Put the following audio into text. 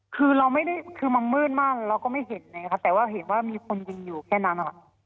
คือมันมืดมากเราก็ไม่เห็นแต่ว่าเห็นว่ามีคนยิงอยู่แค่นั้น